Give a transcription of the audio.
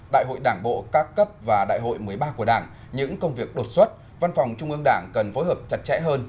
đại hội đảng bộ các cấp và đại hội một mươi ba của đảng những công việc đột xuất văn phòng trung ương đảng cần phối hợp chặt chẽ hơn